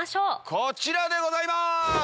こちらでございます！